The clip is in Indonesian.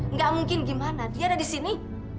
nggak mungkin gimana dia ada di sini